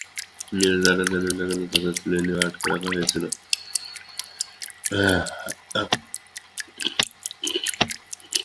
কিন্তু তাঁরা জানেন না, কেন তাঁদের তুলে নিয়ে আটকে রাখা হয়েছিল।